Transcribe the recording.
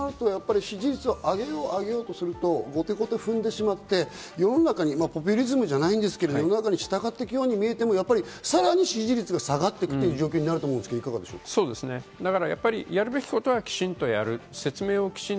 支持率を上げようとすると、後手を踏んでしまって、世の中にポピュリズムじゃないんですけど、従っていくようにみえてもさらに支持率が下がってくという状況になると思うんですけど、いかがでしょうか？